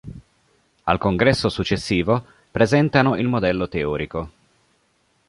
Al congresso successivo presentano il modello teorico.